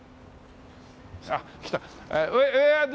あっ来た。